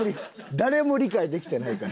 誰も理解できてないから。